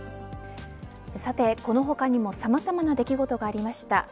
さて、この他にもさまざまな出来事がありました。